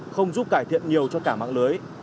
không giúp cải thiện nhiều cho cả mạng lưới